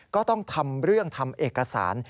ก็ต้องทำเรื่องทำเอกสาร